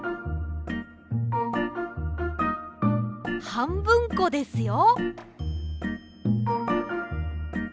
はんぶんこですよ。